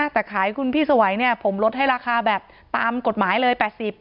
แต่ขายคุณพี่สวัยเนี่ยผมลดให้ราคาแบบตามกฎหมายเลย๘๐บาท